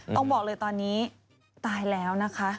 ต้องบอกเลยตอนนี้ตายแล้วนะคะ